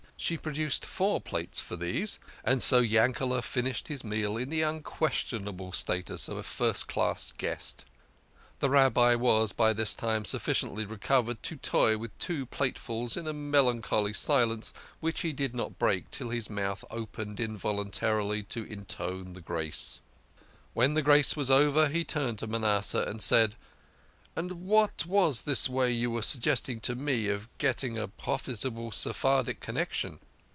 She produced four plates for these, and so Yankele" finished W i his meal in the unquestion \ able status of a first class guest. The Rabbi was by this time sufficiently recovered to toy PRUNES AND PIPPINS." ^ tW P 1 ^^\choly silence which he did not break till his mouth opened involuntarily to intone the grace. When grace was over he turned to Manasseh and said, " And what was this way you were suggesting to me of getting a profitable Sephardic connection?"